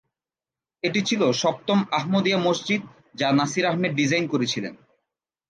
এটি ছিল সপ্তম আহমদিয়া মসজিদ যা নাসির আহমেদ ডিজাইন করেছিলেন।